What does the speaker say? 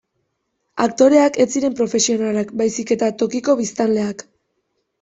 Aktoreak ez ziren profesionalak, baizik eta tokiko biztanleak.